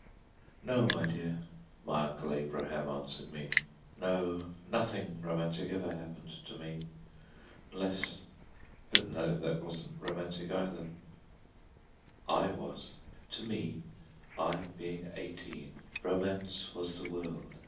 "No, my dear," my Uncle Abraham answered me, "no—nothing romantic ever happened to me—unless—but no: that wasn't romantic either——" I was. To me, I being eighteen, romance was the world.